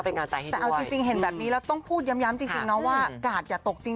แต่เอาจริงเห็นแบบนี้แล้วต้องพูดย้ำจริงนะว่ากาดอย่าตกจริง